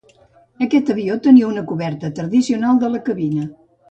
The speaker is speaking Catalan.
Aquest avió tenia una coberta tradicional de la cabina.